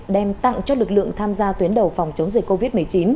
đem tặng cho lực lượng tham gia tuyến đầu phòng chống dịch covid một mươi chín